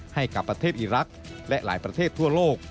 ให้กับประเทศอีรักษ์และหลายประเทศทั่วโลก